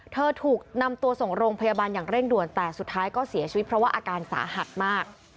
ถูกนำตัวส่งโรงพยาบาลอย่างเร่งด่วนแต่สุดท้ายก็เสียชีวิตเพราะว่าอาการสาหัสมาก